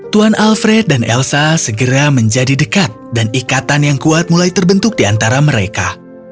tuan alfred dan elsa segera menjadi dekat dan ikatan yang kuat mulai terbentuk di antara mereka